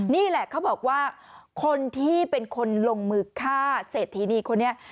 นี่แหละเขาบอกว่าคนที่เป็นคนลงมือฆ่าเศรษฐีนีคนนี้